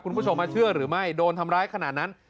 คุณผู้ชมเชื่อหรือไม่โดนทำร้ายขนาดนั้น